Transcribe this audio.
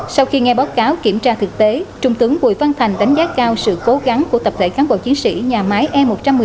sau khi nghe báo cáo kiểm tra thực tế trung tướng bùi văn thành đánh giá cao sự cố gắng của tập thể cán bộ chiến sĩ nhà máy e một trăm một mươi một